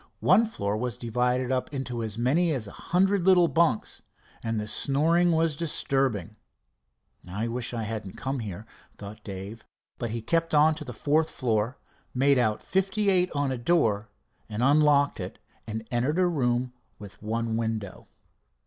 One floor was divided up into as many as a hundred little bunks, and the snoring was disturbing. "I wish I hadn't come here," thought Dave, but he kept on to the fourth floor, made out 58 on a door, and unlocked it and entered a room with one window.